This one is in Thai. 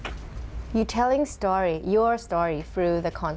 คุณบอกแค่ในวีดีโอด้วยของคุณ